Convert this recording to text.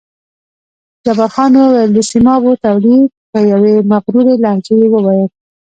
جبار خان وویل: د سیمابو تولید، په یوې مغرورې لهجې یې وویل.